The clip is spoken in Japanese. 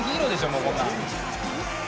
もうこんなん。